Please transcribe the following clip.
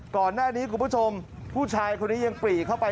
ก่อนหน้านี้คุณผู้ชมผู้ชายคนนี้ยังปรีกเข้าไป